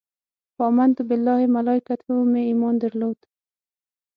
په امنت بالله ملایکته مې ایمان درلود.